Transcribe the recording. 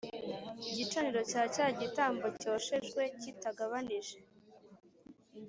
Gicaniro cya gitambo cyoshejwe kitagabanije